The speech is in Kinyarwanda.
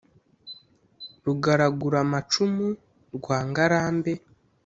Rugaraguramacumu rwa Ngarambe